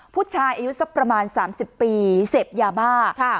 ผู้ชายอายุสักประมาณ๓๐ปีเสพยาบ้า